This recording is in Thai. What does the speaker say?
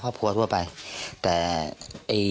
กระดิ่งเสียงเรียกว่าเด็กน้อยจุดประดิ่ง